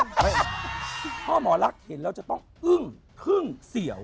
พ่อหมอรักเห็นแล้วจะต้องอึ้งทึ่งเสี่ยว